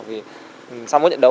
vì sau mỗi trận đấu